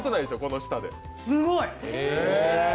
すごい！